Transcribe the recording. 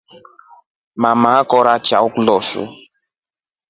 Mama akore chao kilosu.